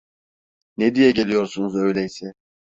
Ne diye geliyorsunuz öyleyse?